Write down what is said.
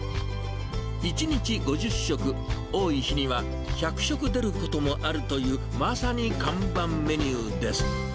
１日５０食、多い日には、１００食出ることもあるというまさに看板メニューです。